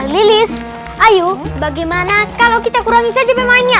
lilis ayo bagaimana kalau kita kurangi saja pemainnya